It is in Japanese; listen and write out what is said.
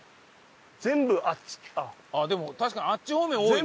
でも確かにあっち方面多いね。